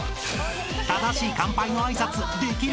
［正しい乾杯の挨拶できる？］